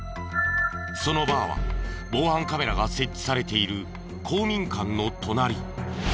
そのバーは防犯カメラが設置されている公民館の隣。